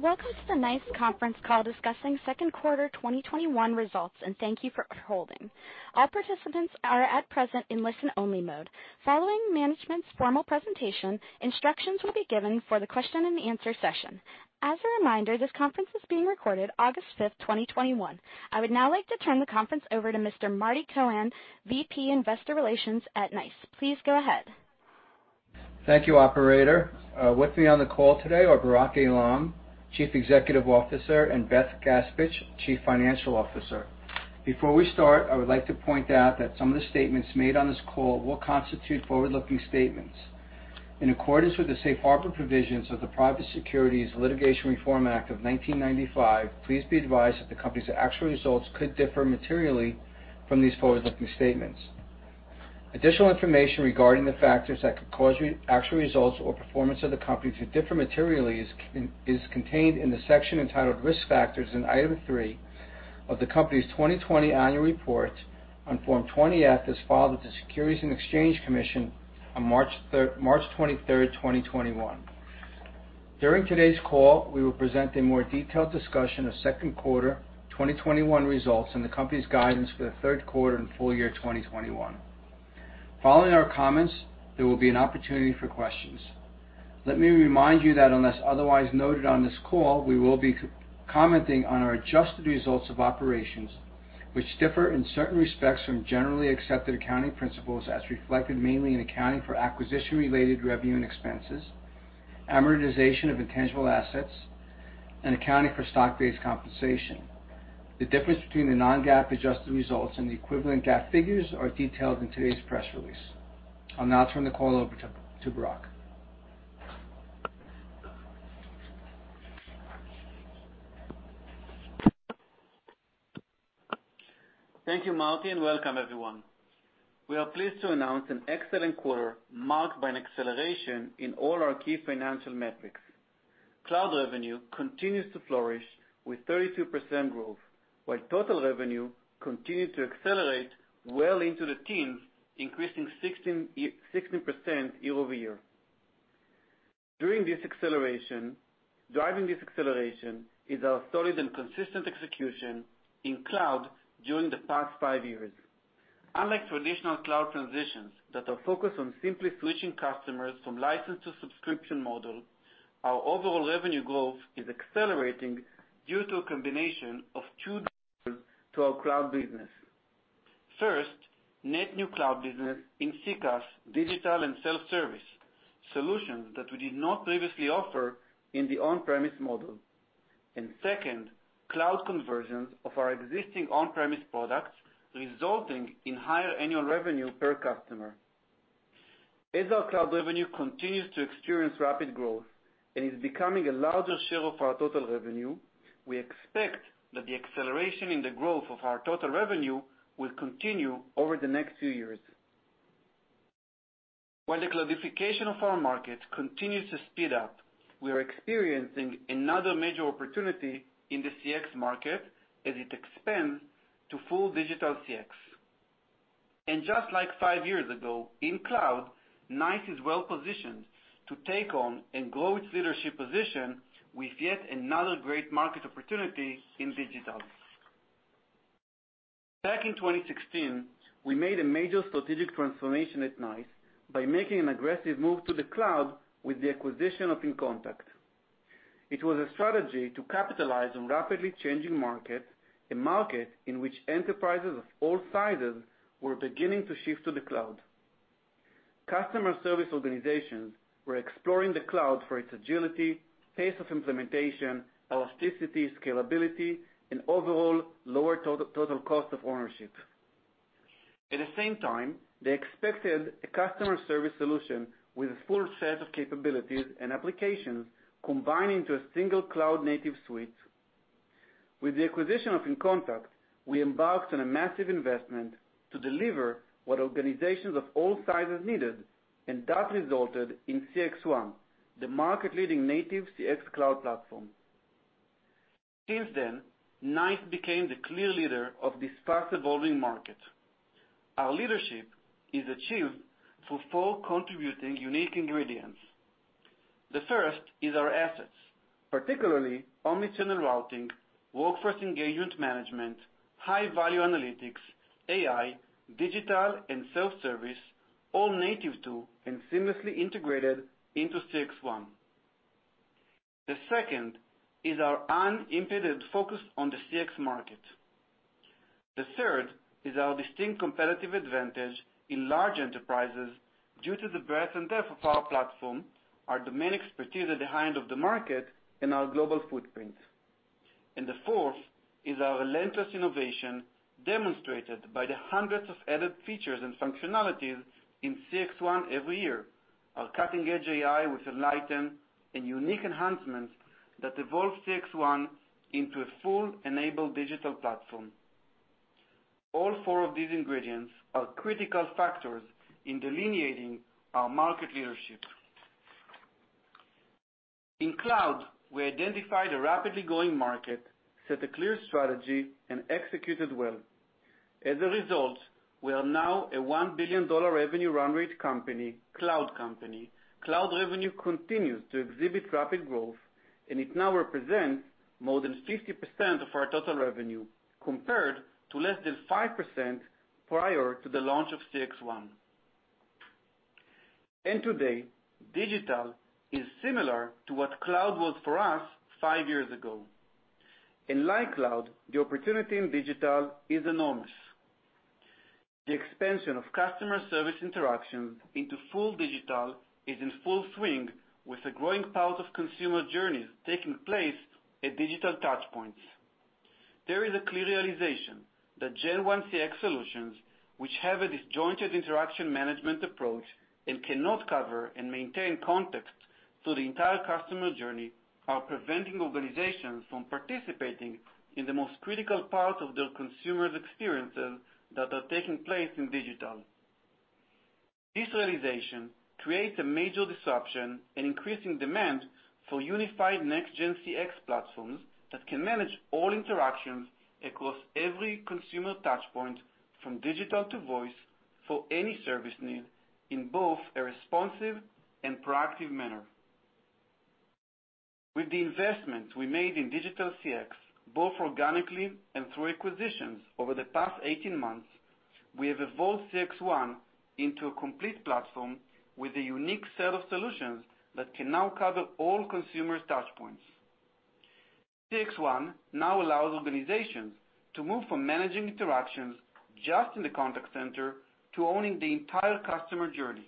Welcome to the NICE conference call discussing second quarter 2021 results. Thank you for holding. All participants are at present in listen-only mode. Following management's formal presentation, instructions will be given for the question and answer session. As a reminder, this conference is being recorded August 5th, 2021. I would now like to turn the conference over to Mr. Marty Cohen, Vice President Investor Relations at NICE. Please go ahead. Thank you, operator. With me on the call today are Barak Eilam, Chief Executive Officer, and Beth Gaspich, Chief Financial Officer. Before we start, I would like to point out that some of the statements made on this call will constitute forward-looking statements. In accordance with the safe harbor provisions of the Private Securities Litigation Reform Act of 1995, please be advised that the company's actual results could differ materially from these forward-looking statements. Additional information regarding the factors that could cause actual results or performance of the company to differ materially is contained in the section entitled Risk Factors in Item 3 of the company's 2020 annual report on Form 20-F as filed with the Securities and Exchange Commission on March 23rd, 2021. During today's call, we will present a more detailed discussion of second quarter 2021 results and the company's guidance for the third quarter and full year 2021. Following our comments, there will be an opportunity for questions. Let me remind you that unless otherwise noted on this call, we will be commenting on our adjusted results of operations, which differ in certain respects from Generally Accepted Accounting Principles as reflected mainly in accounting for acquisition-related revenue and expenses, amortization of intangible assets, and accounting for stock-based compensation. The difference between the Non-GAAP adjusted results and the equivalent GAAP figures are detailed in today's press release. I'll now turn the call over to Barak. Thank you, Marty, and welcome, everyone. We are pleased to announce an excellent quarter marked by an acceleration in all our key financial metrics. Cloud revenue continues to flourish with 32% growth, while total revenue continued to accelerate well into the teens, increasing 16% year-over-year. Driving this acceleration is our solid and consistent execution in cloud during the past five years. Unlike traditional cloud transitions that are focused on simply switching customers from license to subscription model, our overall revenue growth is accelerating due to a combination of two drivers to our cloud business. First, net new cloud business in CCaaS, digital, and self-service, solutions that we did not previously offer in the on-premise model. Second, cloud conversions of our existing on-premise products, resulting in higher annual revenue per customer. As our cloud revenue continues to experience rapid growth and is becoming a larger share of our total revenue, we expect that the acceleration in the growth of our total revenue will continue over the next few years. While the cloudification of our market continues to speed up, we are experiencing another major opportunity in the CX market as it expands to full digital CX. Just like five years ago in cloud, NICE is well-positioned to take on and grow its leadership position with yet another great market opportunity in digital. Back in 2016, we made a major strategic transformation at NICE by making an aggressive move to the cloud with the acquisition of inContact. It was a strategy to capitalize on rapidly changing market, a market in which enterprises of all sizes were beginning to shift to the cloud. Customer service organizations were exploring the cloud for its agility, pace of implementation, elasticity, scalability, and overall lower total cost of ownership. At the same time, they expected a customer service solution with a full set of capabilities and applications combined into a single cloud-native suite. With the acquisition of inContact, we embarked on a massive investment to deliver what organizations of all sizes needed, and that resulted in CXone, the market-leading native CX cloud platform. Since then, NICE became the clear leader of this fast-evolving market. Our leadership is achieved through four contributing unique ingredients. The first is our assets, particularly omni-channel routing, workforce engagement management, high-value analytics, AI, digital and self-service, all native to and seamlessly integrated into CXone. The second is our unimpeded focus on the CX market. The third is our distinct competitive advantage in large enterprises due to the breadth and depth of our platform, our domain expertise at the height of the market, and our global footprint. The fourth is our relentless innovation demonstrated by the hundreds of added features and functionalities in CXone every year. Our cutting-edge AI with Enlighten and unique enhancements that evolve CXone into a full enabled digital platform. All four of these ingredients are critical factors in delineating our market leadership. In cloud, we identified a rapidly growing market, set a clear strategy, and executed well. As a result, we are now a $1 billion revenue run rate cloud company. Cloud revenue continues to exhibit rapid growth, and it now represents more than 50% of our total revenue, compared to less than 5% prior to the launch of CXone. Today, digital is similar to what cloud was for us five years ago. Like cloud, the opportunity in digital is enormous. The expansion of customer service interactions into full digital is in full swing, with a growing part of consumer journeys taking place at digital touchpoints. There is a clear realization that Gen-1 CX solutions, which have a disjointed interaction management approach and cannot cover and maintain context through the entire customer journey, are preventing organizations from participating in the most critical part of their consumers' experiences that are taking place in digital. This realization creates a major disruption and increasing demand for unified next gen CX platforms that can manage all interactions across every consumer touchpoint, from digital to voice, for any service need, in both a responsive and proactive manner. With the investments we made in digital CX, both organically and through acquisitions over the past 18 months, we have evolved CXone into a complete platform with a unique set of solutions that can now cover all consumer touchpoints. CXone now allows organizations to move from managing interactions just in the contact center to owning the entire customer journey.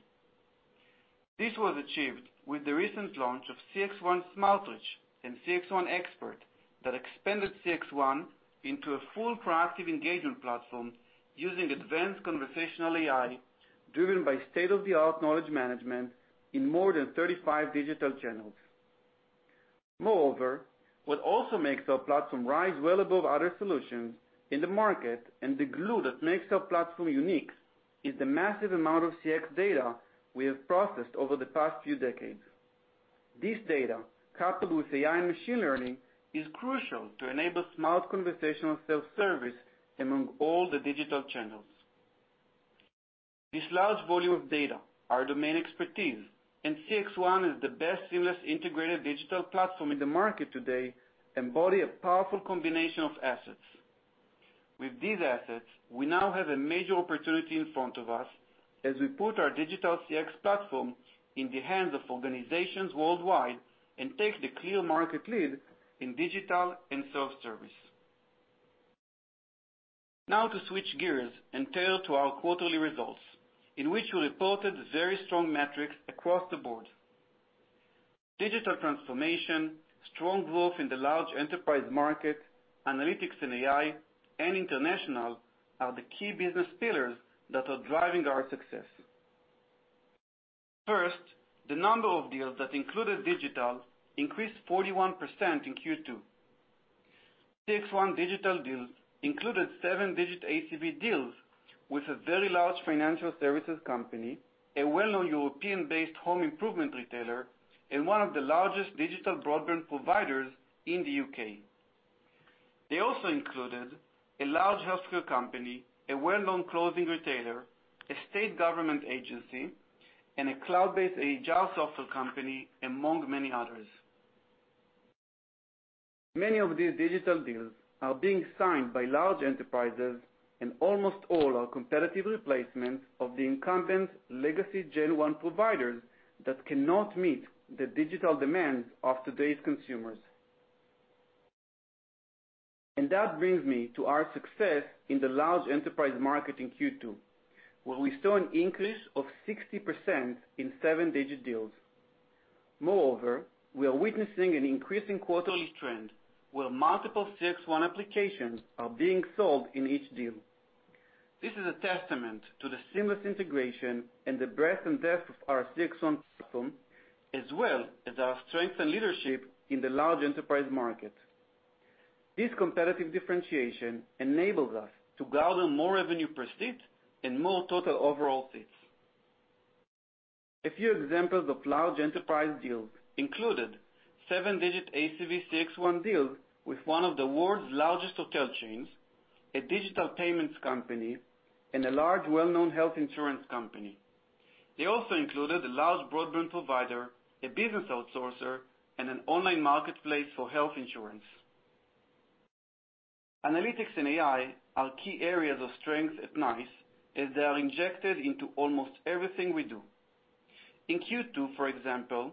This was achieved with the recent launch of CXone SmartReach and CXone Expert that expanded CXone into a full proactive engagement platform using advanced conversational AI driven by state-of-the-art knowledge management in more than 35 digital channels. Moreover, what also makes our platform rise well above other solutions in the market, and the glue that makes our platform unique, is the massive amount of CX data we have processed over the past few decades. This data, coupled with AI and machine learning, is crucial to enable smart conversational self-service among all the digital channels. This large volume of data, our domain expertise, and CXone as the best seamless integrated digital platform in the market today, embody a powerful combination of assets. With these assets, we now have a major opportunity in front of us as we put our digital CX platform in the hands of organizations worldwide and take the clear market lead in digital and self-service. To switch gears and turn to our quarterly results, in which we reported very strong metrics across the board. Digital transformation, strong growth in the large enterprise market, analytics and AI, and international are the key business pillars that are driving our success. First, the number of deals that included digital increased 41% in Q2. CXone digital deals included 7-digit ACV deals with a very large financial services company, a well-known European-based home improvement retailer, and one of the largest digital broadband providers in the U.K. They also included a large healthcare company, a well-known clothing retailer, a state government agency, and a cloud-based agile software company, among many others. Many of these digital deals are being signed by large enterprises and almost all are competitive replacements of the incumbent legacy Gen-1 providers that cannot meet the digital demands of today's consumers. That brings me to our success in the large enterprise market in Q2, where we saw an increase of 60% in seven-digit deals. Moreover, we are witnessing an increasing quarterly trend where multiple CXone applications are being sold in each deal. This is a testament to the seamless integration and the breadth and depth of our CXone platform, as well as our strength and leadership in the large enterprise market. This competitive differentiation enables us to gather more revenue per seat and more total overall seats. A few examples of large enterprise deals included seven-digit ACV CXone deals with one of the world's largest hotel chains, a digital payments company, and a large, well-known health insurance company. They also included a large broadband provider, a business outsourcer, and an online marketplace for health insurance. Analytics and AI are key areas of strength at NICE, as they are injected into almost everything we do. In Q2, for example,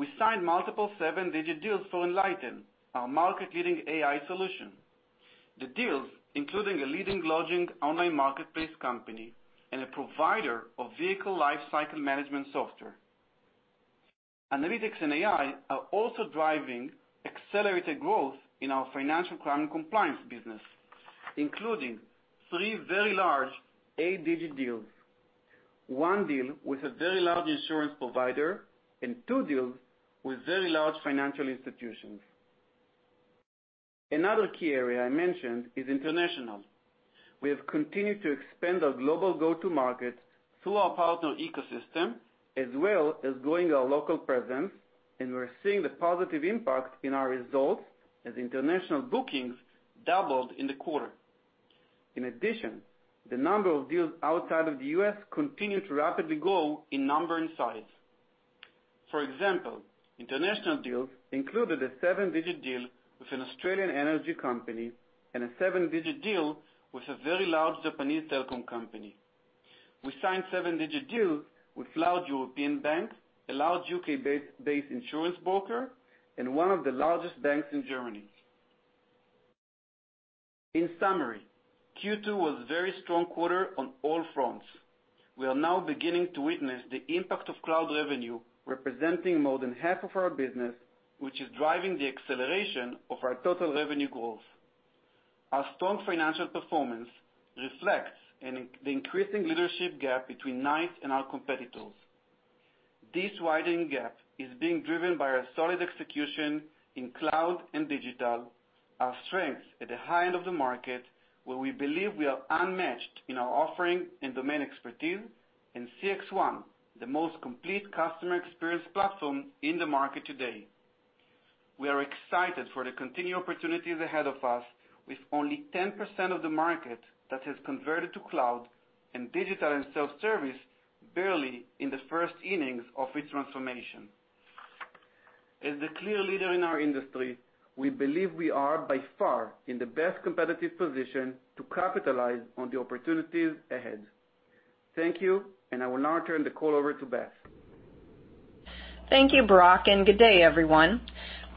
we signed multiple seven-digit deals for Enlighten, our market-leading AI solution. The deals including a leading lodging online marketplace company and a provider of vehicle lifecycle management software. Analytics and AI are also driving accelerated growth in our financial crime compliance business, including three very large eight-digit deals, one deal with a very large insurance provider, and two deals with very large financial institutions. Another key area I mentioned is international. We have continued to expand our global go-to market through our partner ecosystem, as well as growing our local presence. We're seeing the positive impact in our results as international bookings doubled in the quarter. In addition, the number of deals outside of the U.S. continue to rapidly grow in number and size. For example, international deals included a seven-digit deal with an Australian energy company and a seven-digit deal with a very large Japanese telecom company. We signed seven-digit deal with large European banks, a large U.K.-based insurance broker, and one of the largest banks in Germany. In summary, Q2 was a very strong quarter on all fronts. We are now beginning to witness the impact of cloud revenue, representing more than half of our business, which is driving the acceleration of our total revenue growth. Our strong financial performance reflects the increasing leadership gap between NICE and our competitors. This widening gap is being driven by our solid execution in cloud and digital, our strength at the high end of the market, where we believe we are unmatched in our offering and domain expertise, and CXone, the most complete customer experience platform in the market today. We are excited for the continued opportunities ahead of us, with only 10% of the market that has converted to cloud and digital and self-service barely in the first innings of its transformation. As the clear leader in our industry, we believe we are by far in the best competitive position to capitalize on the opportunities ahead. Thank you, and I will now turn the call over to Beth Gaspich. Thank you, Barak. Good day everyone.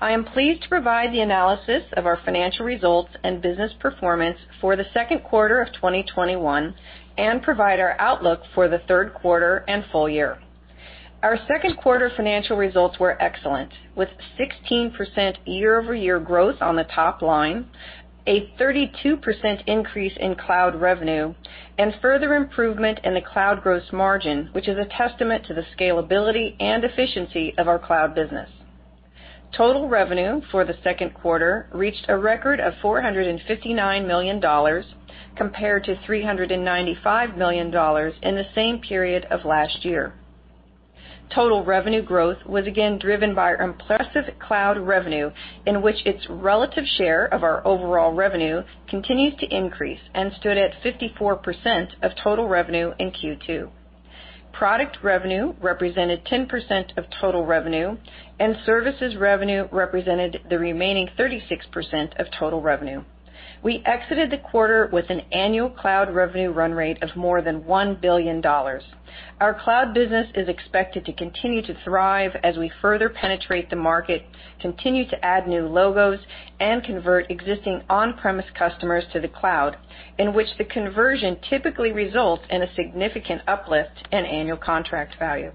I am pleased to provide the analysis of our financial results and business performance for the second quarter of 2021, and provide our outlook for the third quarter and full year. Our second quarter financial results were excellent, with 16% year-over-year growth on the top line, a 32% increase in cloud revenue, and further improvement in the cloud gross margin, which is a testament to the scalability and efficiency of our cloud business. Total revenue for the second quarter reached a record of $459 million compared to $395 million in the same period of last year. Total revenue growth was again driven by our impressive cloud revenue, in which its relative share of our overall revenue continues to increase and stood at 54% of total revenue in Q2. Product revenue represented 10% of total revenue, and services revenue represented the remaining 36% of total revenue. We exited the quarter with an annual cloud revenue run rate of more than $1 billion. Our cloud business is expected to continue to thrive as we further penetrate the market, continue to add new logos, and convert existing on-premise customers to the cloud, in which the conversion typically results in a significant uplift in annual contract value.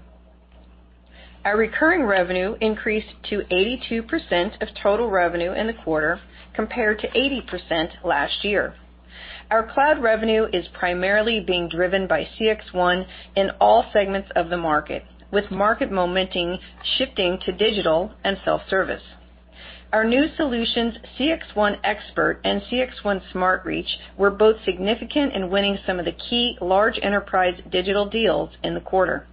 Our recurring revenue increased to 82% of total revenue in the quarter, compared to 80% last year. Our cloud revenue is primarily being driven by CXone in all segments of the market, with market momentum shifting to digital and self-service. Our new solutions, CXone Expert and CXone SmartReach, were both significant in winning some of the key large enterprise digital deals in the quarter.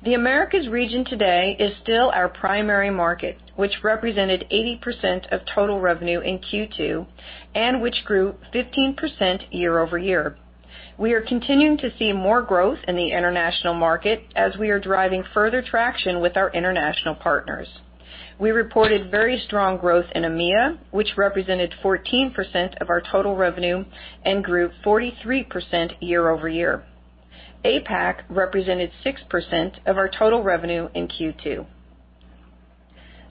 The Americas region today is still our primary market, which represented 80% of total revenue in Q2 and which grew 15% year-over-year. We are continuing to see more growth in the international market as we are driving further traction with our international partners. We reported very strong growth in EMEA, which represented 14% of our total revenue and grew 43% year-over-year. APAC represented 6% of our total revenue in Q2.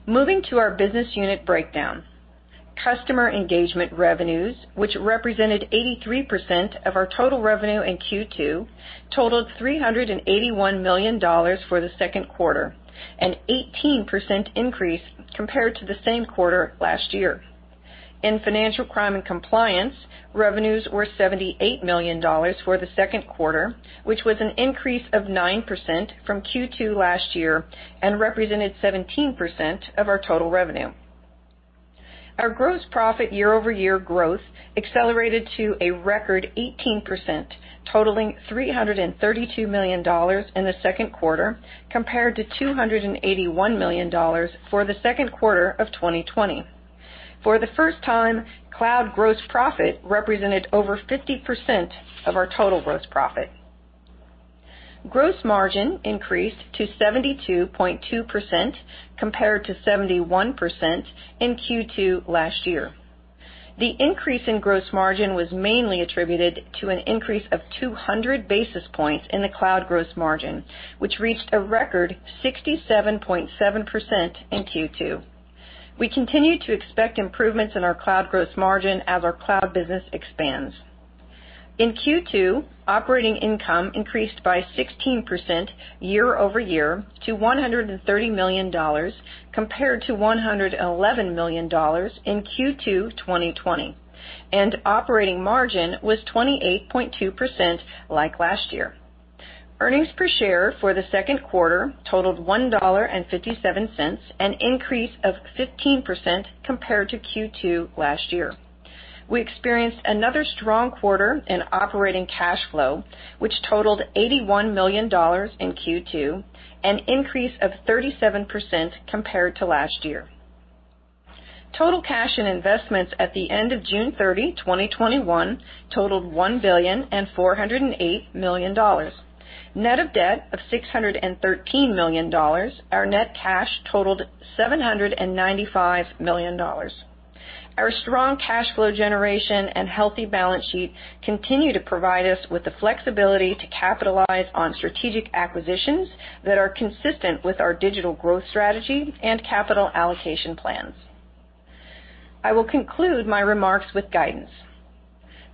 Moving to our business unit breakdown. Customer engagement revenues, which represented 83% of our total revenue in Q2, totaled $381 million for the second quarter, an 18% increase compared to the same quarter last year. In financial crime and compliance, revenues were $78 million for the second quarter, which was an increase of 9% from Q2 last year and represented 17% of our total revenue. Our gross profit year-over-year growth accelerated to a record 18%, totaling $332 million in the second quarter, compared to $281 million for the second quarter of 2020. For the first time, cloud gross profit represented over 50% of our total gross profit. Gross margin increased to 72.2% compared to 71% in Q2 last year. The increase in gross margin was mainly attributed to an increase of 200 basis points in the cloud gross margin, which reached a record 67.7% in Q2. We continue to expect improvements in our cloud gross margin as our cloud business expands. In Q2, operating income increased by 16% year-over-year to $130 million compared to $111 million in Q2 2020, and operating margin was 28.2% like last year. Earnings per share for the second quarter totaled $1.57, an increase of 15% compared to Q2 last year. We experienced another strong quarter in operating cash flow, which totaled $81 million in Q2, an increase of 37% compared to last year. Total cash and investments at the end of June 30, 2021 totaled $1 billion and $408 million. Net of debt of $613 million, our net cash totaled $795 million. Our strong cash flow generation and healthy balance sheet continue to provide us with the flexibility to capitalize on strategic acquisitions that are consistent with our digital growth strategy and capital allocation plans. I will conclude my remarks with guidance.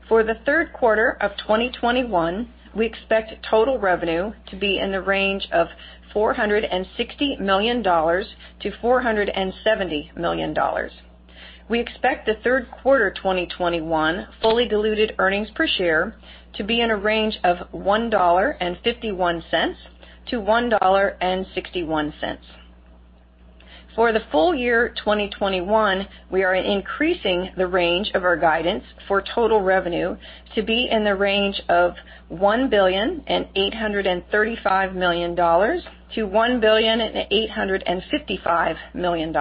For the third quarter of 2021, we expect total revenue to be in the range of $460 million-$470 million. We expect the third quarter 2021 fully diluted earnings per share to be in a range of $1.51-$1.61. For the full year 2021, we are increasing the range of our guidance for total revenue to be in the range of $1,835 million-$1,855 million.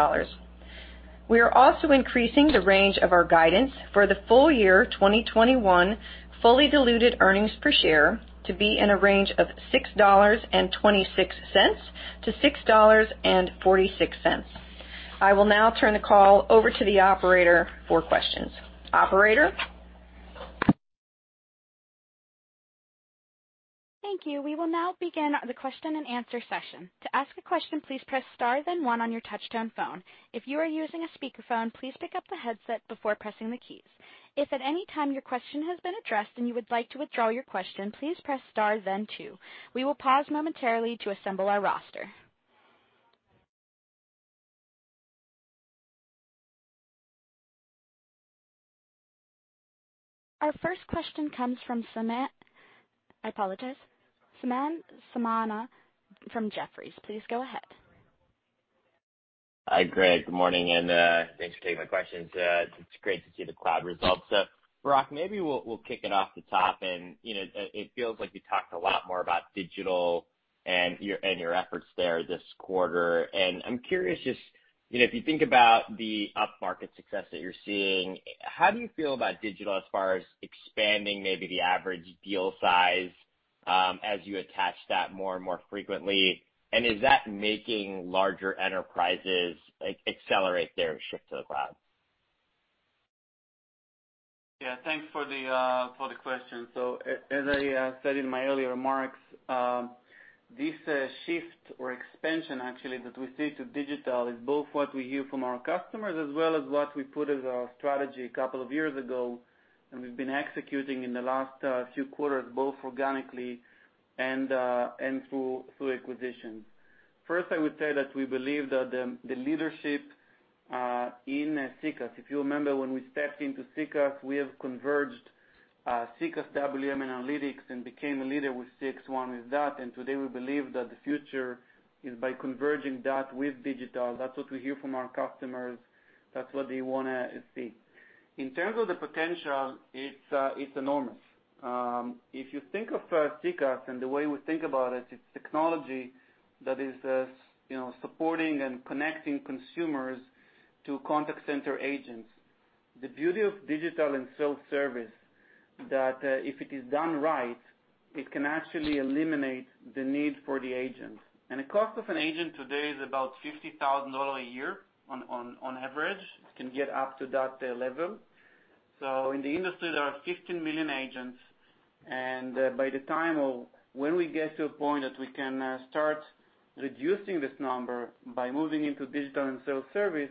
We are also increasing the range of our guidance for the full year 2021 fully diluted earnings per share to be in a range of $6.26-$6.46. I will now turn the call over to the operator for questions. Operator? Our first question comes from Samad Samana from Jefferies. Please go ahead. Hi, great. Good morning, and thanks for taking my questions. It's great to see the cloud results. Barak, maybe we'll kick it off the top. It feels like we talked a lot more about digital and your efforts there this quarter. I'm curious, just if you think about the upmarket success that you're seeing, how do you feel about digital as far as expanding maybe the average deal size, as you attach that more and more frequently? Is that making larger enterprises accelerate their shift to the cloud? Yeah. Thanks for the question. As I said in my earlier remarks, this shift or expansion actually that we see to digital is both what we hear from our customers, as well as what we put as our strategy a couple of years ago, and we've been executing in the last few quarters, both organically and through acquisition. First, I would say that we believe that the leadership in CCaaS, if you remember, when we stepped into CCaaS, we have converged CCaaS WFM and analytics and became a leader with CXone with that. Today, we believe that the future is by converging that with digital. That's what we hear from our customers. That's what they want to see. In terms of the potential, it's enormous. If you think of CCaaS and the way we think about it's technology that is supporting and connecting consumers to contact center agents. The beauty of digital and self-service that, if it is done right, it can actually eliminate the need for the agent. The cost of an agent today is about $50,000 a year on average. It can get up to that level. In the industry, there are 15 million agents, and by the time of when we get to a point that we can start reducing this number by moving into digital and self-service,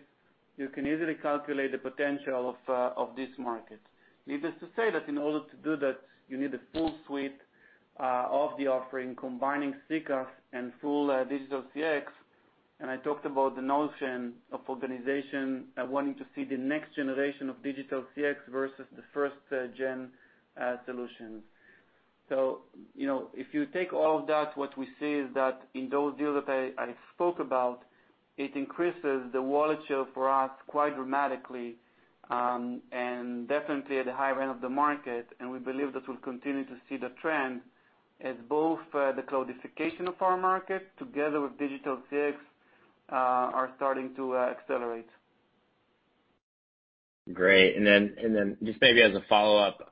you can easily calculate the potential of this market. Needless to say that in order to do that, you need a full suite of the offering combining CCaaS and full digital CX. I talked about the notion of organization wanting to see the next generation of digital CX versus the first gen solution. If you take all of that, what we see is that in those deals that I spoke about, it increases the wallet share for us quite dramatically, and definitely at the high end of the market. We believe that we'll continue to see the trend as both the cloudification of our market together with digital CX, are starting to accelerate. Great. Then, just maybe as a follow-up,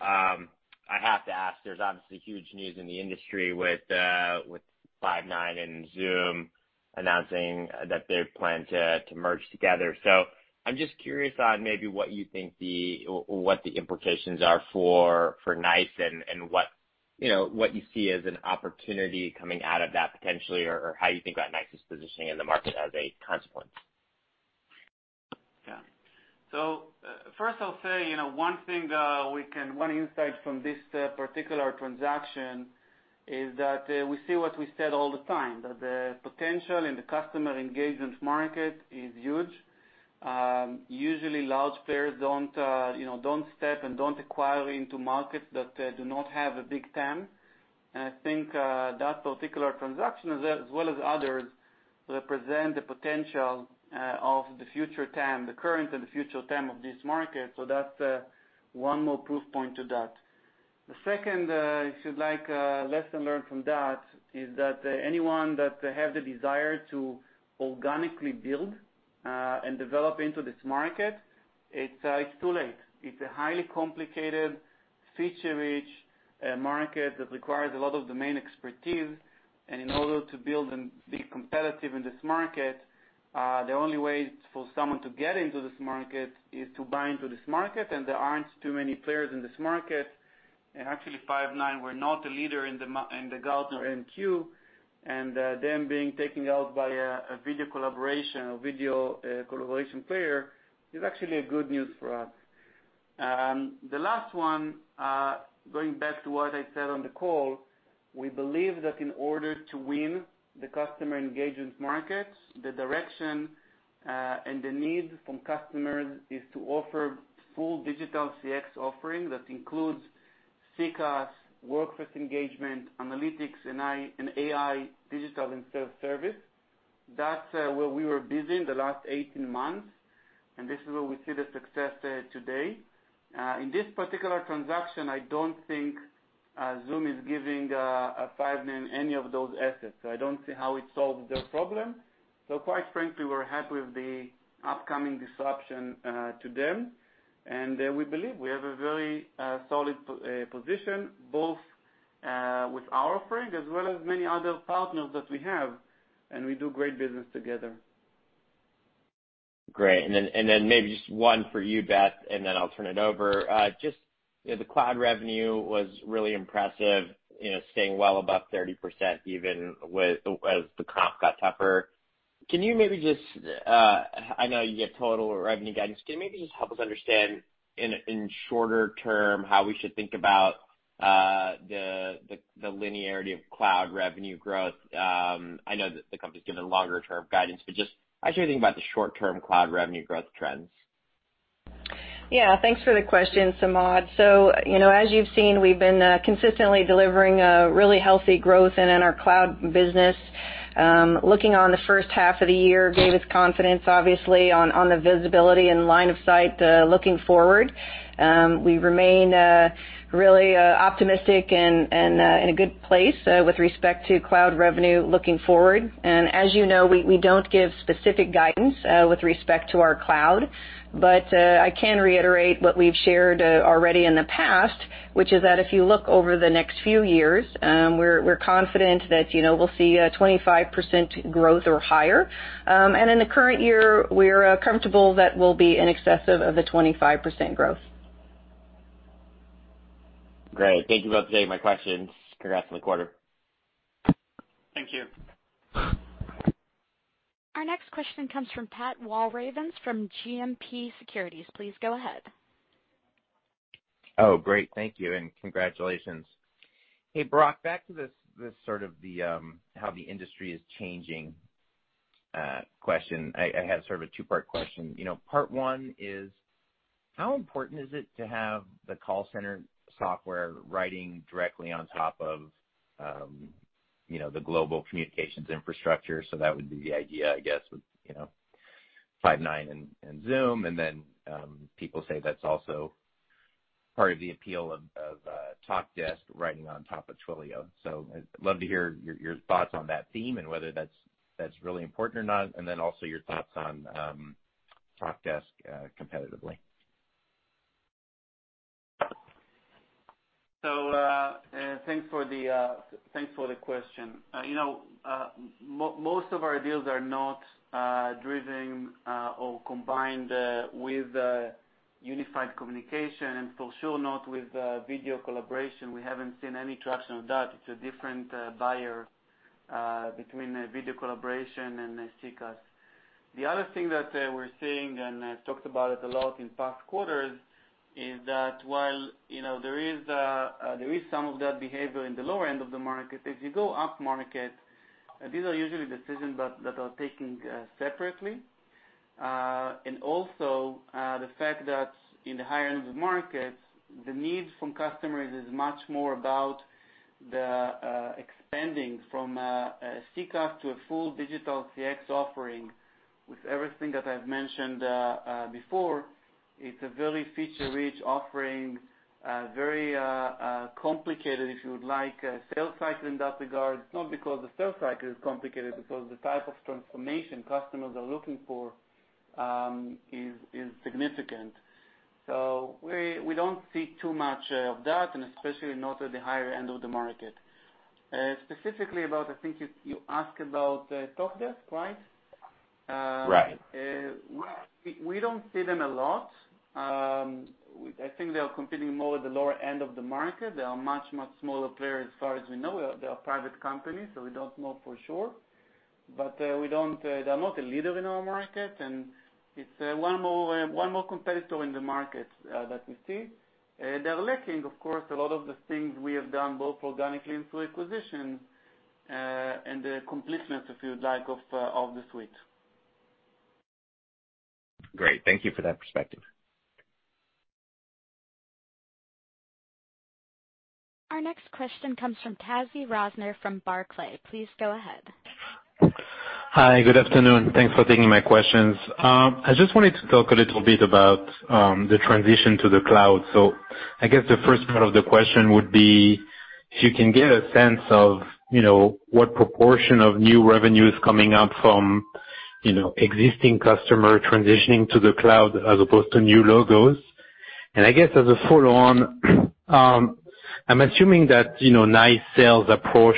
I have to ask, there's obviously huge news in the industry with Five9 and Zoom announcing that they plan to merge together. I'm just curious on maybe what you think the implications are for NICE and what you see as an opportunity coming out of that potentially or how you think about NICE's positioning in the market as a consequence? Yeah. First I'll say, one insight from this particular transaction is that we see what we said all the time, that the potential in the customer engagement market is huge. Usually, large players don't step and don't acquire into markets that do not have a big TAM. I think that particular transaction, as well as others, represent the potential of the future TAM, the current and the future TAM of this market. That's one more proof point to that. The second, if you'd like, lesson learned from that is that anyone that have the desire to organically build and develop into this market, it's too late. It's a highly complicated feature-rich market that requires a lot of domain expertise. In order to build and be competitive in this market, the only way for someone to get into this market is to buy into this market, there aren't too many players in this market. Actually, Five9 were not a leader in the Gartner MQ, them being taken out by a video collaboration player is actually good news for us. The last one, going back to what I said on the call, we believe that in order to win the customer engagement market, the direction, and the need from customers is to offer full digital CX offering that includes CCaaS, workforce engagement, analytics, AI, digital, and self-service. That's where we were busy in the last 18 months, and this is where we see the success today. In this particular transaction, I don't think Zoom is giving Five9 any of those assets. I don't see how it solves their problem. Quite frankly, we're happy with the upcoming disruption to them. We believe we have a very solid position, both with our offering as well as many other partners that we have, and we do great business together. Great. Then maybe just one for you, Beth, and then I'll turn it over. Just the cloud revenue was really impressive, staying well above 30% even as the comp got tougher. I know you give total revenue guidance. Can you maybe just help us understand in shorter term how we should think about the linearity of cloud revenue growth? I know that the company's given longer term guidance. Just how should we think about the short-term cloud revenue growth trends? Yeah, thanks for the question, Samad. As you've seen, we've been consistently delivering a really healthy growth in our cloud business. Looking on the first half of the year gave us confidence, obviously, on the visibility and line of sight looking forward. We remain really optimistic and in a good place with respect to cloud revenue looking forward. As you know, we don't give specific guidance with respect to our cloud. I can reiterate what we've shared already in the past, which is that if you look over the next few years, we're confident that we'll see a 25% growth or higher. In the current year, we're comfortable that we'll be in excess of a 25% growth. Great. Thank you both for taking my questions. Congrats on the quarter. Thank you. Our next question comes from Pat Walravens from JMP Securities. Please go ahead. Oh, great. Thank you, and congratulations. Hey, Barak, back to this sort of how the industry is changing question. I have sort of a two-part question. Part one is how important is it to have the call center software riding directly on top of the global communications infrastructure? That would be the idea, I guess, with Five9 and Zoom. People say that's also part of the appeal of Talkdesk riding on top of Twilio. I'd love to hear your thoughts on that theme and whether that's really important or not. Also your thoughts on Talkdesk competitively. Thanks for the question. Most of our deals are not driven or combined with unified communication, and for sure not with video collaboration. We haven't seen any traction on that. It's a different buyer between video collaboration and CCaaS. The other thing that we're seeing, and I've talked about it a lot in past quarters, is that while there is some of that behavior in the lower end of the market, if you go up-market, these are usually decisions that are taken separately. Also, the fact that in the higher end of the market, the need from customers is much more about the expanding from a CCaaS to a full digital CX offering with everything that I've mentioned before. It's a very feature-rich offering, very complicated, if you would like, sales cycle in that regard. It's not because the sales cycle is complicated, it's because the type of transformation customers are looking for is significant. We don't see too much of that, and especially not at the higher end of the market. Specifically about, I think you asked about Talkdesk, right? Right. We don't see them a lot. I think they are competing more at the lower end of the market. They are much, much smaller player as far as we know. They are a private company, so we don't know for sure. They are not a leader in our market, and it's one more competitor in the market that we see. They're lacking, of course, a lot of the things we have done, both organically and through acquisition, and the completeness, if you would like, of the suite. Great. Thank you for that perspective. Our next question comes from Tavy Rosner from Barclays. Please go ahead. Hi. Good afternoon. Thanks for taking my questions. I just wanted to talk a little bit about the transition to the cloud. I guess the first part of the question would be if you can get a sense of what proportion of new revenue is coming up from existing customer transitioning to the cloud as opposed to new logos. I guess as a follow-on, I'm assuming that NICE sales approach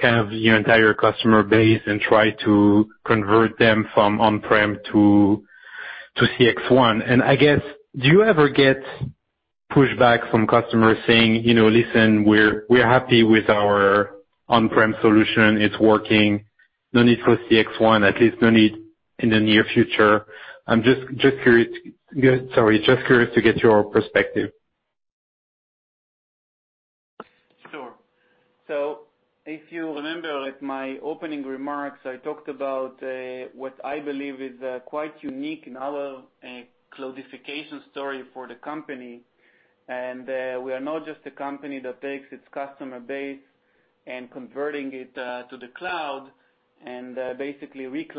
kind of your entire customer base and try to convert them from on-prem to CXone. I guess, do you ever get pushback from customers saying, "Listen, we're happy with our on-prem solution. It's working. No need for CXone. At least no need in the near future." I'm just curious to get your perspective. Sure. If you remember, at my opening remarks, I talked about what I believe is quite unique in our cloudification story for the company. We are not just a company that takes its customer base and converting it to the cloud and basically doing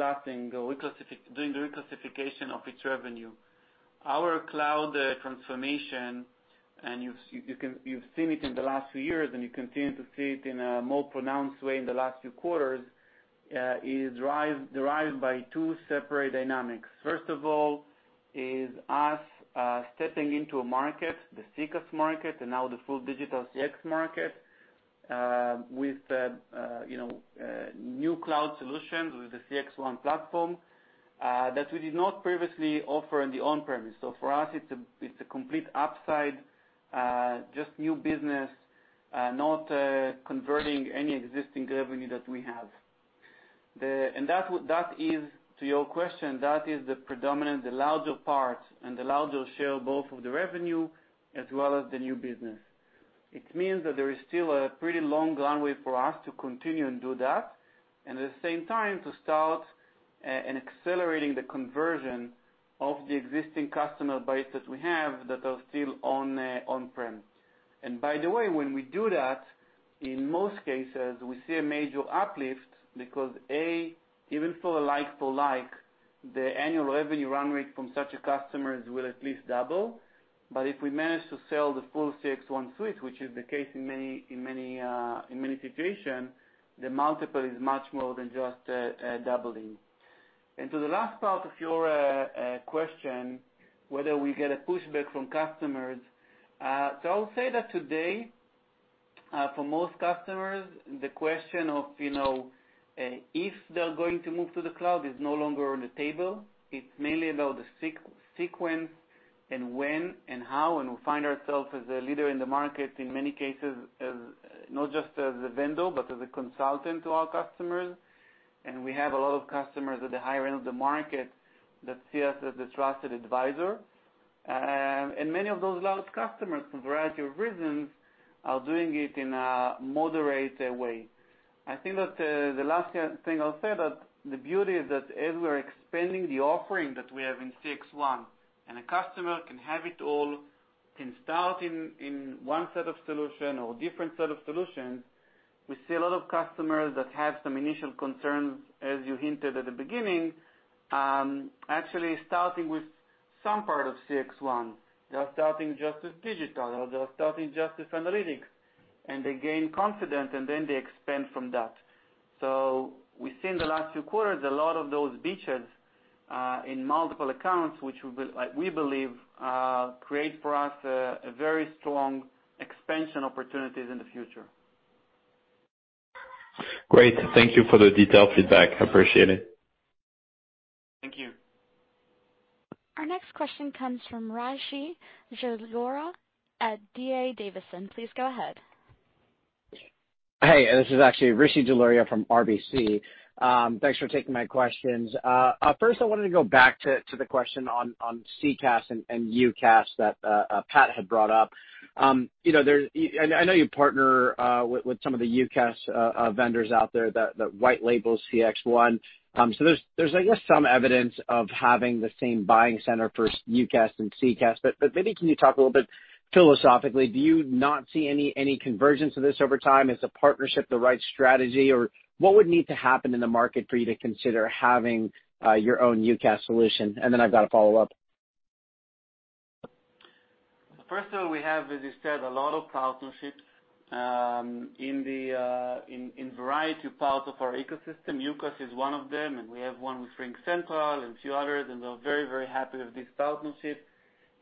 the reclassification of its revenue. Our cloud transformation, and you've seen it in the last few years, and you continue to see it in a more pronounced way in the last few quarters, is derived by two separate dynamics. First of all is us stepping into a market, the CCaaS market, and now the full digital CX market, with new cloud solutions, with the CXone platform, that we did not previously offer in the on-premise. For us, it's a complete upside, just new business, not converting any existing revenue that we have. To your question, that is the predominant, the larger part and the larger share both of the revenue as well as the new business. It means that there is still a pretty long runway for us to continue and do that, and at the same time, to start and accelerating the conversion of the existing customer base that we have that are still on on-prem. By the way, when we do that, in most cases, we see a major uplift because, A, even for a like for like, the annual revenue run rate from such a customers will at least double. If we manage to sell the full CXone suite, which is the case in many situation, the multiple is much more than just doubling. To the last part of your question, whether we get a pushback from customers. I'll say that today, for most customers, the question of if they're going to move to the cloud is no longer on the table. It's mainly about the sequence and when and how, and we find ourselves as a leader in the market in many cases, not just as a vendor, but as a consultant to our customers. We have a lot of customers at the higher end of the market that see us as a trusted advisor. Many of those large customers, for a variety of reasons, are doing it in a moderate way. I think that the last thing I'll say that the beauty is that as we're expanding the offering that we have in CXone, and a customer can have it all, can start in one set of solution or different set of solutions. We see a lot of customers that have some initial concerns, as you hinted at the beginning, actually starting with some part of CXone. They are starting just as digital, or they are starting just as analytics, and they gain confidence, and then they expand from that. We've seen the last few quarters, a lot of those beachheads in multiple accounts, which we believe create for us a very strong expansion opportunities in the future. Great. Thank you for the detailed feedback. Appreciate it. Thank you. Our next question comes from Rishi Jaluria at RBC Capital Markets. Please go ahead. Hey, this is actually Rishi Jaluria from RBC. Thanks for taking my questions. I wanted to go back to the question on CCaaS and UCaaS that Pat had brought up. I know you partner with some of the UCaaS vendors out there that white labels CXone. There's, I guess, some evidence of having the same buying center for UCaaS and CCaaS. Maybe can you talk a little bit philosophically, do you not see any convergence of this over time? Is the partnership the right strategy? What would need to happen in the market for you to consider having your own UCaaS solution? I've got a follow-up. First of all, we have, as you said, a lot of partnerships in variety of parts of our ecosystem. UCaaS is one of them. We have one with RingCentral and few others. We're very happy with this partnership.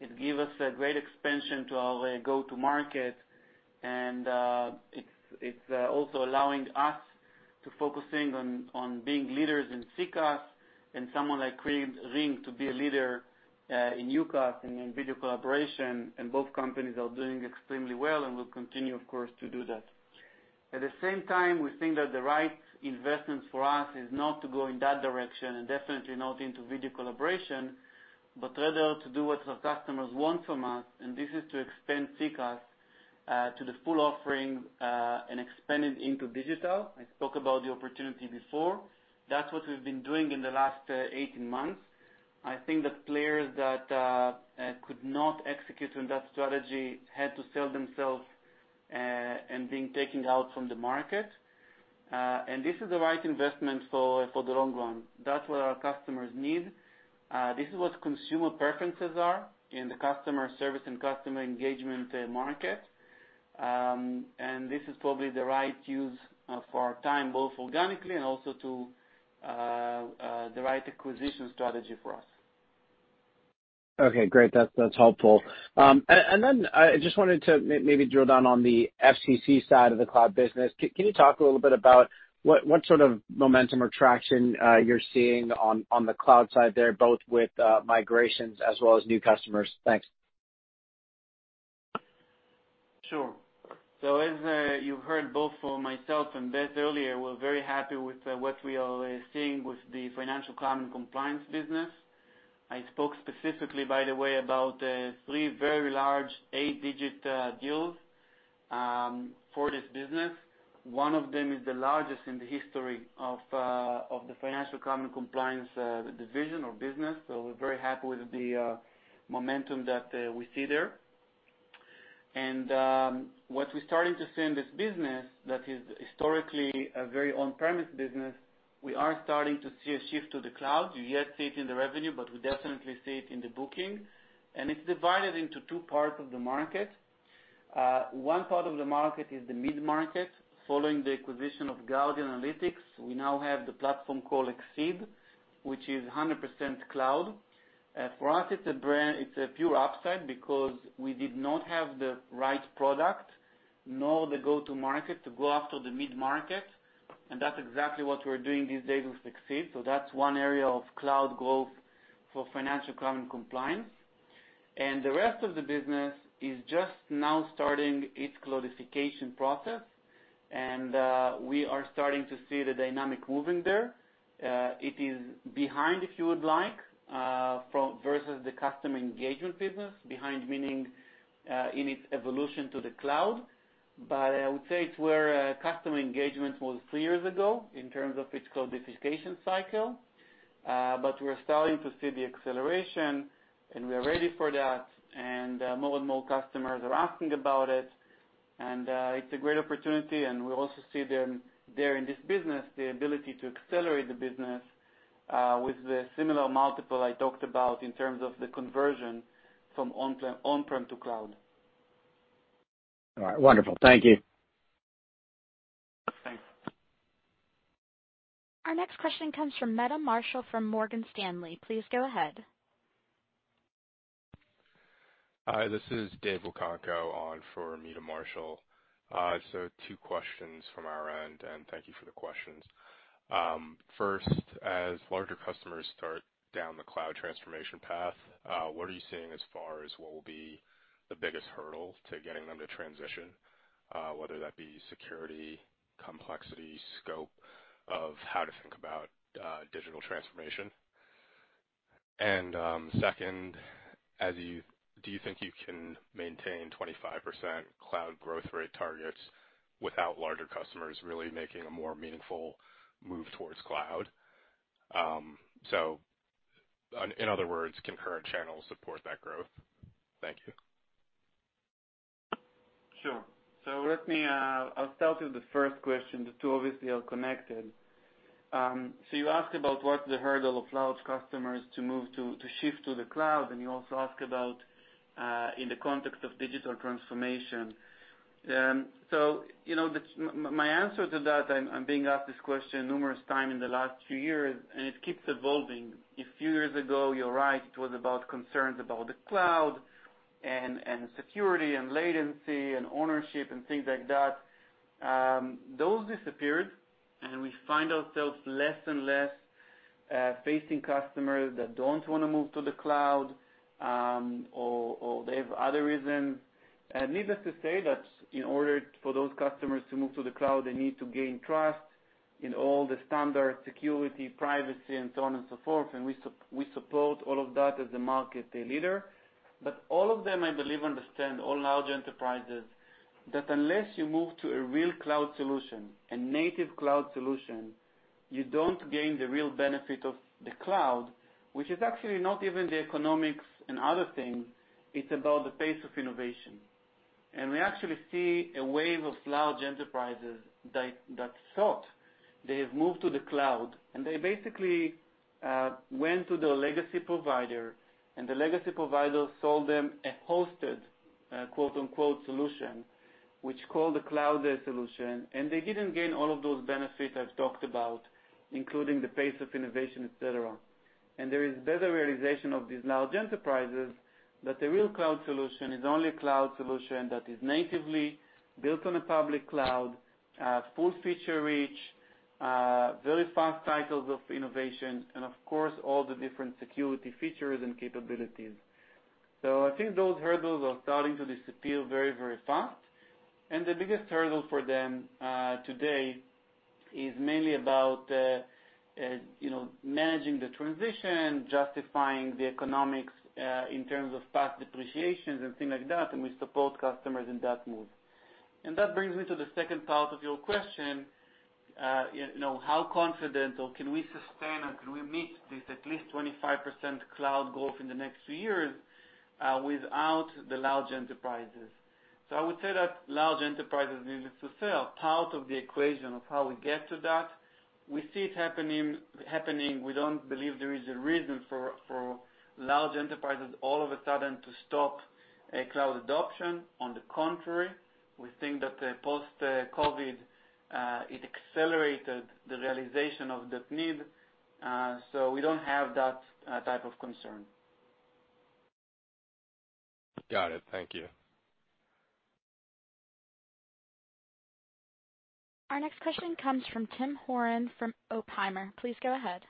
It give us a great expansion to our go-to market. It's also allowing us to focusing on being leaders in CCaaS and someone like Ring to be a leader in UCaaS and in video collaboration. Both companies are doing extremely well and will continue, of course, to do that. At the same time, we think that the right investments for us is not to go in that direction, and definitely not into video collaboration, but rather to do what our customers want from us. This is to expand CCaaS to the full offering, and expand it into digital. I spoke about the opportunity before. That's what we've been doing in the last 18 months. I think the players that could not execute on that strategy had to sell themselves and being taken out from the market. This is the right investment for the long run. That's what our customers need. This is what consumer preferences are in the customer service and customer engagement market. This is probably the right use of our time, both organically and also to the right acquisition strategy for us. Okay, great. That's helpful. I just wanted to maybe drill down on the FCC side of the cloud business. Can you talk a little bit about what sort of momentum or traction you're seeing on the cloud side there, both with migrations as well as new customers? Thanks. As you've heard both from myself and Beth earlier, we're very happy with what we are seeing with the financial crime and compliance business. I spoke specifically, by the way, about three very large eight-digit deals for this business. One of them is the largest in the history of the financial crime and compliance division or business. We're very happy with the momentum that we see there. What we're starting to see in this business, that is historically a very on-premise business, we are starting to see a shift to the cloud. We yet see it in the revenue, but we definitely see it in the booking. It's divided into two parts of the market. One part of the market is the mid-market. Following the acquisition of Guardian Analytics, we now have the platform called Xceed, which is 100% cloud. For us, it's a pure upside because we did not have the right product nor the go-to market to go after the mid-market, and that's exactly what we're doing these days with Xceed. That's one area of cloud growth for financial crime and compliance. The rest of the business is just now starting its cloudification process, and we are starting to see the dynamic moving there. It is behind, if you would like, versus the customer engagement business. Behind meaning, in its evolution to the cloud. I would say it's where customer engagement was three years ago in terms of its cloudification cycle. We're starting to see the acceleration, and we are ready for that. More and more customers are asking about it. It's a great opportunity, and we also see there in this business the ability to accelerate the business with the similar multiple I talked about in terms of the conversion from on-prem to cloud. All right. Wonderful. Thank you. Thanks. Our next question comes from Meta Marshall from Morgan Stanley. Please go ahead. Hi, this is Dave Nwokonko on for Meta Marshall. Two questions from our end, and thank you for the questions. First, as larger customers start down the cloud transformation path, what are you seeing as far as what will be the biggest hurdle to getting them to transition, whether that be security, complexity, scope of how to think about digital transformation? Second, do you think you can maintain 25% cloud growth rate targets without larger customers really making a more meaningful move towards cloud? In other words, can current channels support that growth? Thank you. Sure. I'll start with the first question. The two obviously are connected. You asked about what the hurdle of large customers to shift to the cloud, and you also ask about, in the context of digital transformation. My answer to that, I'm being asked this question numerous times in the last few years, and it keeps evolving. A few years ago, you're right, it was about concerns about the cloud and security and latency and ownership and things like that. Those disappeared, we find ourselves less and less facing customers that don't want to move to the cloud, or they have other reasons. Needless to say that in order for those customers to move to the cloud, they need to gain trust in all the standard security, privacy, and so on and so forth. We support all of that as a market leader. All of them, I believe, understand, all large enterprises, that unless you move to a real cloud solution, a native cloud solution, you don't gain the real benefit of the cloud, which is actually not even the economics and other things. It's about the pace of innovation. We actually see a wave of large enterprises that thought they've moved to the cloud, and they basically went to the legacy provider, and the legacy provider sold them a hosted quote, unquote "solution," which is called the cloud solution. They didn't gain all of those benefits I've talked about, including the pace of innovation, et cetera. There is better realization of these large enterprises that the real cloud solution is only a cloud solution that is natively built on a public cloud, full feature reach, very fast cycles of innovation, and of course, all the different security features and capabilities. I think those hurdles are starting to disappear very fast. The biggest hurdle for them, today, is mainly about managing the transition, justifying the economics in terms of past depreciations and things like that, and we support customers in that move. That brings me to the second part of your question. How confident, or can we sustain or can we meet this at least 25% cloud growth in the next few years without the large enterprises? I would say that large enterprises needs to sell part of the equation of how we get to that. We see it happening. We don't believe there is a reason for large enterprises all of a sudden to stop cloud adoption. On the contrary, we think that post-COVID, it accelerated the realization of that need. We don't have that type of concern. Got it. Thank you. Our next question comes from Tim Horan from Oppenheimer. Please go ahead.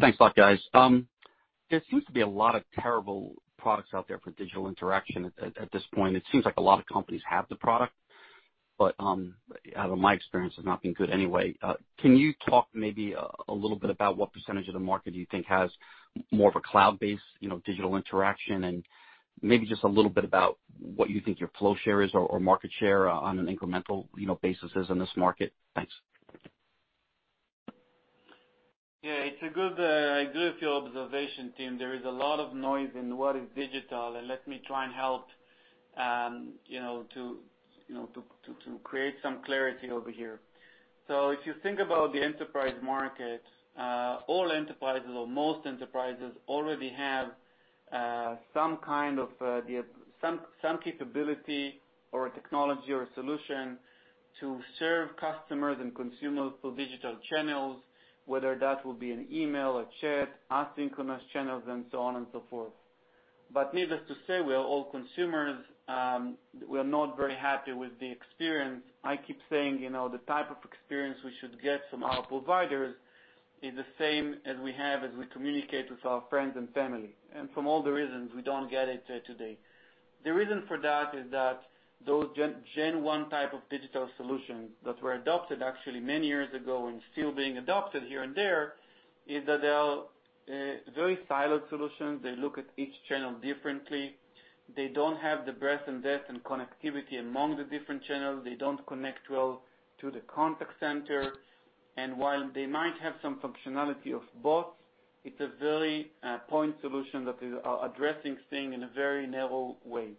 Thanks a lot, guys. There seems to be a lot of terrible products out there for digital interaction at this point. It seems like a lot of companies have the product, but out of my experience, it's not been good anyway. Can you talk maybe a little bit about what percentage of the market do you think has more of a cloud-based digital interaction and maybe just a little bit about what you think your flow share is or market share on an incremental basis is in this market? Thanks. It's a good few observation, Tim. There is a lot of noise in what is digital, and let me try and help to create some clarity over here. If you think about the enterprise market, all enterprises or most enterprises already have some capability or a technology or a solution to serve customers and consumers through digital channels, whether that will be an email, a chat, asynchronous channels, and so on and so forth. Needless to say, we are all consumers. We're not very happy with the experience. I keep saying, the type of experience we should get from our providers is the same as we have as we communicate with our friends and family. For all the reasons, we don't get it today. The reason for that is that those Gen 1 type of digital solutions that were adopted actually many years ago and still being adopted here and there, is that they are very siloed solutions. They look at each channel differently. They don't have the breadth and depth and connectivity among the different channels. They don't connect well to the contact center. While they might have some functionality of both, it's a very point solution that is addressing things in a very narrow way.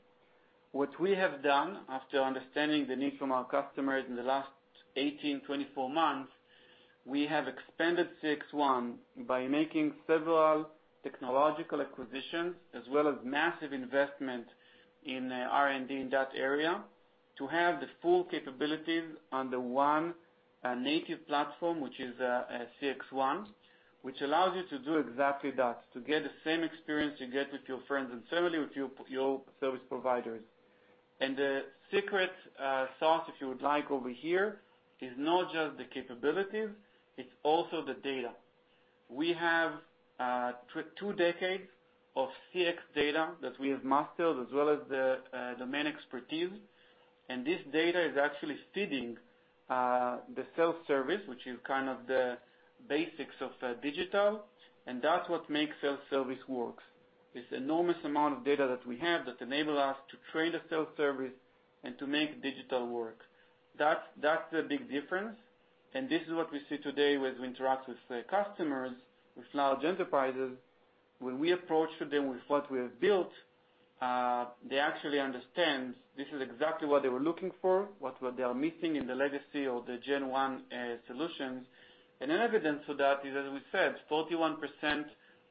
What we have done after understanding the need from our customers in the last 18 months, 24 months, we have expanded CXone by making several technological acquisitions, as well as massive investment in R&D in that area to have the full capabilities on the one native platform, which is CXone, which allows you to do exactly that, to get the same experience you get with your friends and family, with your service providers. The secret sauce, if you would like over here, is not just the capabilities, it's also the data. We have two decades of CX data that we have mastered as well as the domain expertise. This data is actually feeding the self-service, which is kind of the basics of digital. That's what makes self-service work. It's enormous amount of data that we have that enable us to train the self-service and to make digital work. That's the big difference, and this is what we see today when we interact with customers, with large enterprises. When we approach them with what we have built, they actually understand this is exactly what they were looking for, what they are missing in the legacy or the Gen 1 solutions. An evidence to that is, as we said, 41%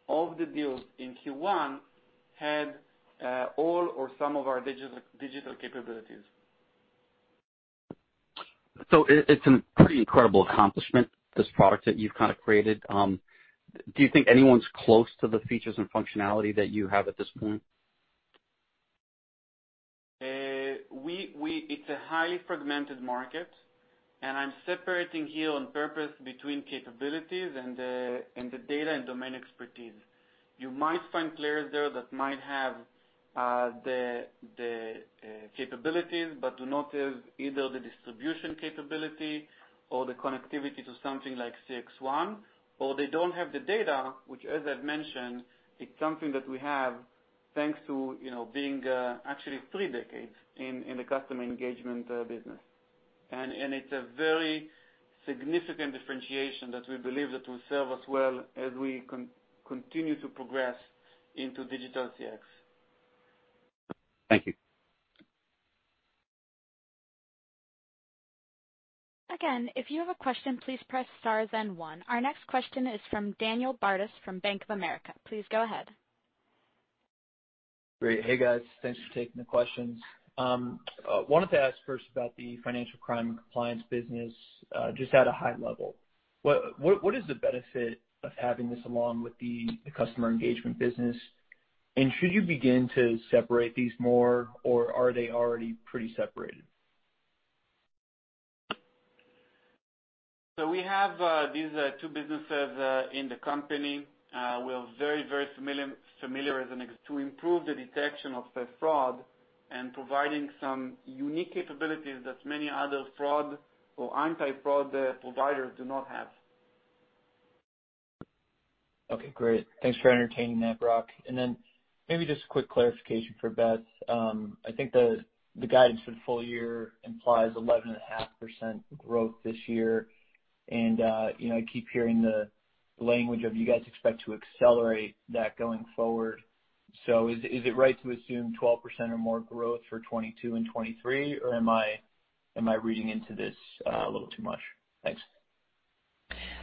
of the deals in Q1 had all or some of our digital capabilities. It's a pretty incredible accomplishment, this product that you've kind of created. Do you think anyone's close to the features and functionality that you have at this point? It's a highly fragmented market, and I'm separating here on purpose between capabilities and the data and domain expertise. You might find players there that might have the capabilities but do not have either the distribution capability or the connectivity to something like CXone, or they don't have the data, which as I've mentioned, it's something that we have thanks to being actually three decades in the customer engagement business. It's a very significant differentiation that we believe that will serve us well as we continue to progress into digital CX. Thank you. Again, if you have a question, please press star then one. Our next question is from Daniel Bartus from Bank of America. Please go ahead. Great. Hey, guys. Thanks for taking the questions. Wanted to ask first about the financial crime and compliance business, just at a high level. What is the benefit of having this along with the customer engagement business, and should you begin to separate these more, or are they already pretty separated? We have these two businesses in the company. We're very familiar to improve the detection of fraud and providing some unique capabilities that many other fraud or anti-fraud providers do not have. Okay, great. Thanks for entertaining that, Barak. Then maybe just a quick clarification for Beth. I think the guidance for the full year implies 11.5% growth this year. I keep hearing the language of you guys expect to accelerate that going forward. Is it right to assume 12% or more growth for 2022 and 2023? Am I reading into this a little too much?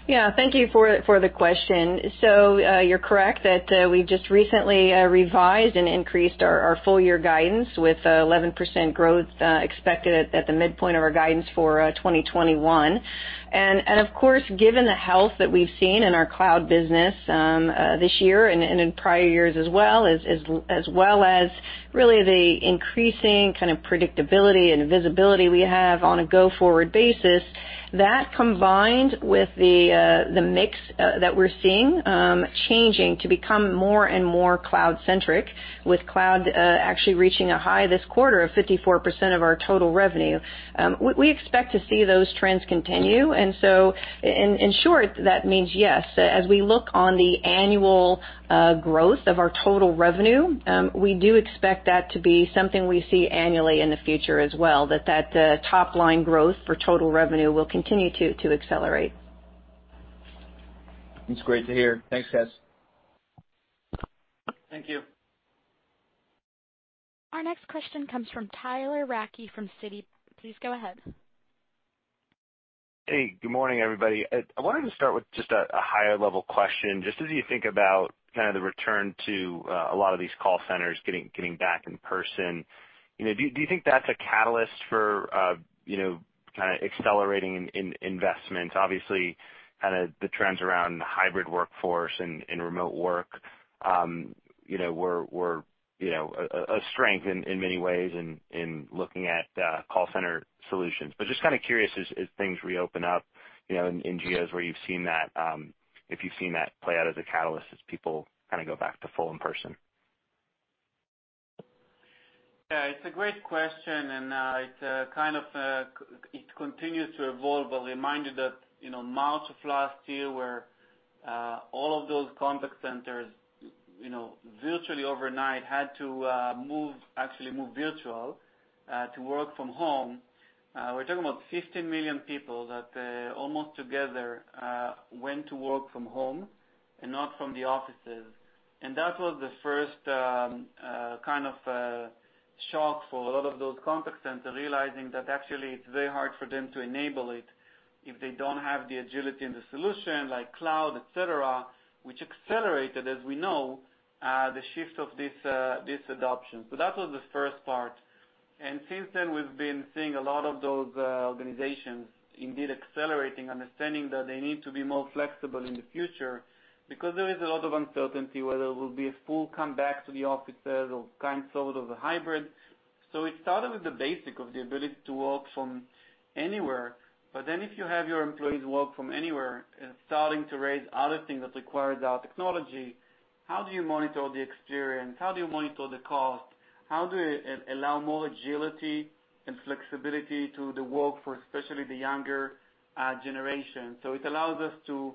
Thanks. Yeah. Thank you for the question. You're correct that we just recently revised and increased our full year guidance with 11% growth expected at the midpoint of our guidance for 2021. Of course, given the health that we've seen in our cloud business this year and in prior years as well, as well as really the increasing kind of predictability and visibility we have on a go-forward basis. That, combined with the mix that we're seeing, changing to become more and more cloud-centric, with cloud actually reaching a high this quarter of 54% of our total revenue. We expect to see those trends continue. In short, that means yes. As we look on the annual growth of our total revenue, we do expect that to be something we see annually in the future as well, that top-line growth for total revenue will continue to accelerate. That's great to hear. Thanks, guys. Thank you. Our next question comes from Tyler Radke from Citi. Please go ahead. Hey, good morning, everybody. I wanted to start with just a higher level question. Just as you think about kind of the return to a lot of these call centers getting back in person, do you think that's a catalyst for kind of accelerating in investment? Obviously, kind of the trends around hybrid workforce and remote work were a strength in many ways in looking at call center solutions. Just kind of curious as things reopen up, in geos where you've seen that, if you've seen that play out as a catalyst, as people kind of go back to full in-person. Yeah. It's a great question, and it kind of continues to evolve. Remind you that March of last year, where all of those contact centers virtually overnight had to actually move virtual, to work from home. We're talking about 50 million people that almost together went to work from home and not from the offices. That was the first kind of shock for a lot of those contact centers, realizing that actually it's very hard for them to enable it if they don't have the agility and the solution like cloud, et cetera, which accelerated, as we know, the shift of this adoption. That was the first part. Since then, we've been seeing a lot of those organizations indeed accelerating, understanding that they need to be more flexible in the future because there is a lot of uncertainty whether it will be a full comeback to the offices or kind of sort of a hybrid. It started with the basic of the ability to work from anywhere. If you have your employees work from anywhere, it's starting to raise other things that requires our technology. How do you monitor the experience? How do you monitor the cost? How do you allow more agility and flexibility to the work for especially the younger generation? It allows us to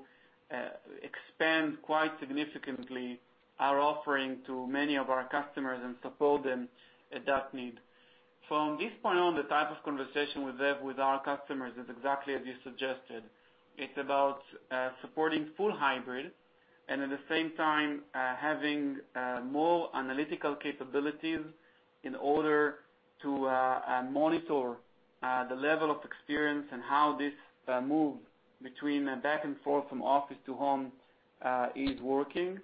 expand quite significantly our offering to many of our customers and support them at that need. From this point on, the type of conversation we have with our customers is exactly as you suggested. It's about supporting full hybrid and at the same time, having more analytical capabilities in order to monitor the level of experience and how this move between back and forth from office to home is working.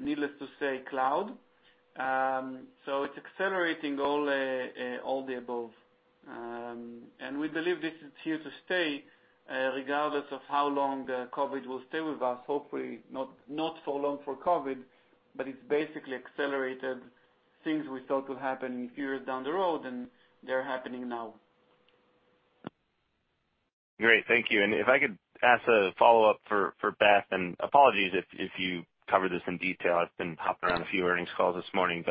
Needless to say, cloud. It's accelerating all the above. We believe this is here to stay regardless of how long the COVID will stay with us. Hopefully not so long for COVID, but it's basically accelerated things we thought would happen years down the road, and they're happening now. Great. Thank you. If I could ask a follow-up for Beth, and apologies if you covered this in detail. I've been hopping around a few earnings calls this morning.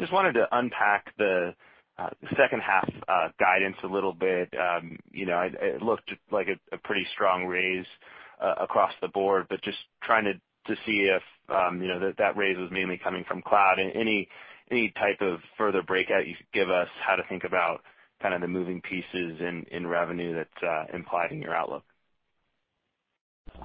Just wanted to unpack the second half guidance a little bit. It looked like a pretty strong raise across the board, but just trying to see if that raise was mainly coming from cloud. Any type of further breakout you could give us how to think about kind of the moving pieces in revenue that's implied in your outlook? Yeah,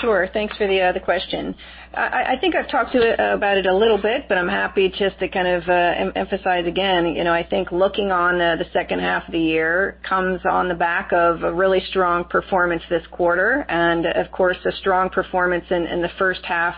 sure. Thanks for the question. I think I've talked about it a little bit, but I'm happy just to kind of emphasize again. I think looking on the second half of the year comes on the back of a really strong performance this quarter and of course, a strong performance in the first half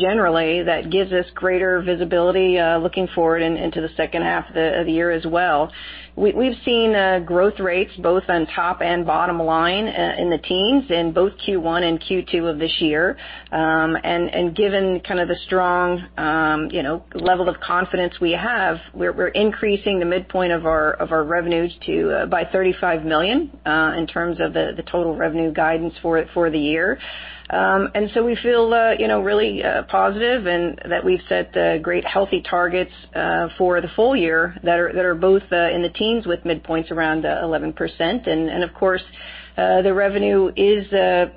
generally that gives us greater visibility looking forward into the second half of the year as well. We've seen growth rates both on top and bottom line in the teens in both Q1 and Q2 of this year. Given kind of the strong level of confidence we have, we're increasing the midpoint of our revenues by $35 million in terms of the total revenue guidance for the year. We feel really positive and that we've set great healthy targets for the full year that are both in the teens with midpoints around 11%. The revenue is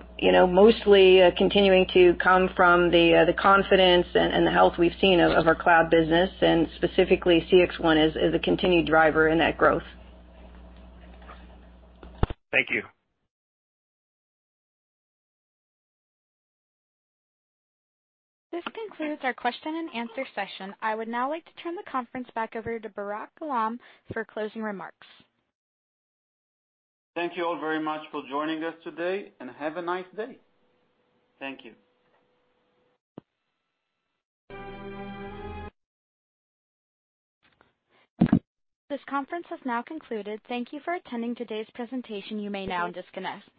mostly continuing to come from the confidence and the health we've seen of our cloud business, and specifically CXone is a continued driver in that growth. Thank you. This concludes our question and answer session. I would now like to turn the conference back over to Barak Eilam for closing remarks. Thank you all very much for joining us today, and have a nice day. Thank you. This conference has now concluded. Thank you for attending today's presentation. You may now disconnect.